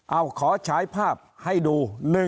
เอาขอฉายภาพให้ดู